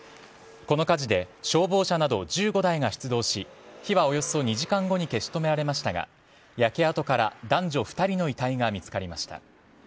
この火事で消防車など１５台が出動し火はおよそ２時間後に消し止められましたが焼け跡から男女２人の遺体が見つかりました。